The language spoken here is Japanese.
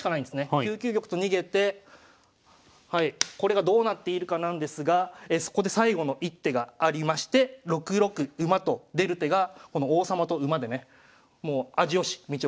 ９九玉と逃げてこれがどうなっているかなんですがそこで最後の一手がありまして６六馬と出る手がこの王様と馬でね「味良し道夫」